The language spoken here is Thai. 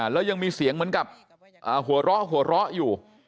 แล้วยังมีเสียงเหมือนกับหัวร้ออยู่